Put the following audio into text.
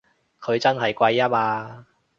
佢真係貴吖嘛！